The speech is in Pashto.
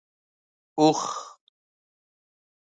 🐪 اوښ